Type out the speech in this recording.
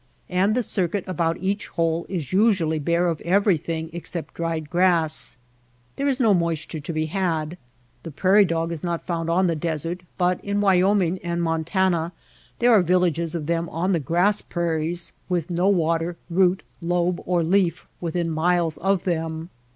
And the circuit about each hole is usually bare of everything except dried grass. There in no moisture to be had. The prairie dog is not found on the desert, but in Wyoming and Montana there are villages of them on the grass prairies, with no water, root, lobe, or leaf within miles of them.